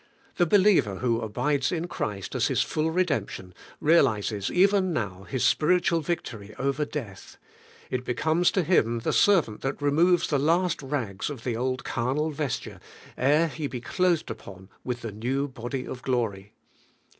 The believer who abides in Christ as his full redemption, realizes even now his spiritual victory over death. It becomes to him the servant that removes the last rags of the old carnal vesture, ere he be clothed upon with the new body of glory.